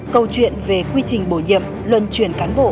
câu chuyện về quy trình bổ nhiệm luân chuyển cán bộ